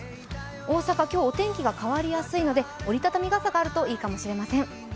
大阪、今日はお天気が変わりやすいので、折り畳み傘があるといいかもしれません。